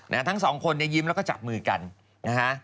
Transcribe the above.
แต่ทั้งสองคนในยืมแล้วก็จับมือกันนะคะ